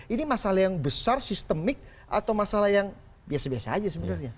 ini masalah yang besar sistemik atau masalah yang biasa biasa aja sebenarnya